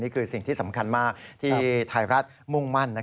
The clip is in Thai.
สิ่งที่สำคัญมากที่ไทยรัฐมุ่งมั่น